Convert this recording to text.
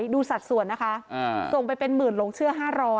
สัดส่วนนะคะส่งไปเป็นหมื่นหลงเชื่อ๕๐๐